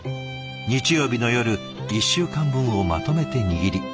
日曜日の夜１週間分をまとめて握り